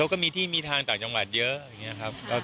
ก็มีที่มีทางต่างจังหวัดเยอะอย่างนี้ครับ